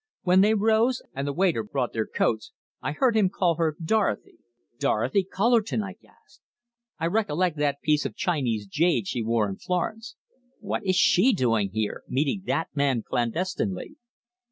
When they rose and the waiter brought their coats, I heard him call her Dorothy." "Dorothy Cullerton!" I gasped. "I recollect that piece of Chinese jade she wore in Florence! What is she doing here, meeting that man clandestinely?"